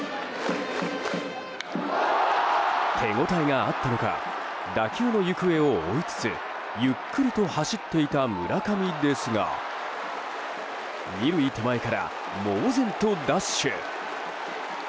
手応えがあったのか打球の行方を追いつつゆっくりと走っていた村上ですが２塁手前から猛然とダッシュ！